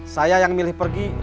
saya yang milih pergi